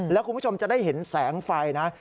แล้วคุณผู้ชมจะได้เห็นแสงไฟนะ